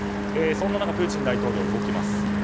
そんな中プーチン大統領が動きます。